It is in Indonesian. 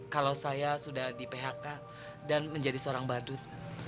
kalau saya sudah di phk dan menjadi seorang badut